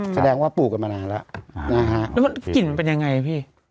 แสดงว่าปลูกกันมานานแล้ว